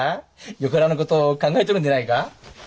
よからぬことを考えとるんでないか？